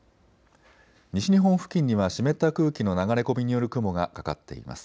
西日本付近には湿った空気の流れ込みによる雲がかかっています。